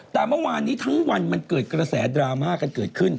แต่เมื่อวานนี้ทั้งวันมันเกิดกระแสดราม่ากันเกิดขึ้น